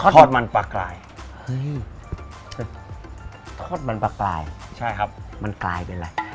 ทอดมันปลากลายเฮ้ยทอดมันปลากลายใช่ครับมันกลายเป็นอะไร